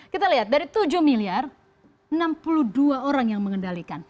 kita lihat dari tujuh miliar enam puluh dua orang yang mengendalikan